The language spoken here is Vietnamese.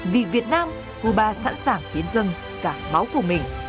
vì việt nam cuba sẵn sàng tiến dân cả máu của mình